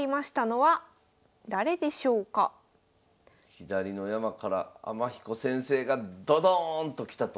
左の山から天彦先生がドドーンときたと。